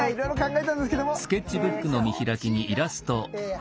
え？